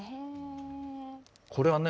これはね